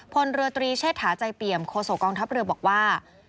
พลเรือตรีเชษฐาใจเปี่ยมโคโสกองทัพเรือบอกว่า